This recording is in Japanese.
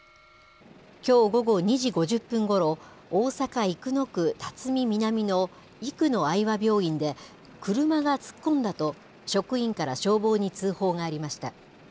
きょう午後２時５０分ごろ、大阪・生野区巽南の生野愛和病院で、車が突っ込んだと、職員から消防に通報がありました。